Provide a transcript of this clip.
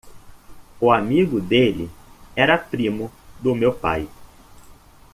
O amigo dele era primo do meu pai.